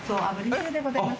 重でございます